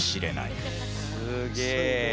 すげえ。